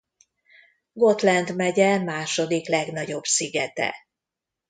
Gotland megye második legnagyobb szigete.